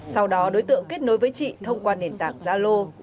sau đó đối tượng kết nối với chị thông qua nền tảng zalo